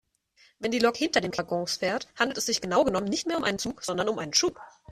Wenn die Lok hinter den Waggons fährt, handelt es sich genau genommen nicht mehr um einen Zug sondern um einen Schub.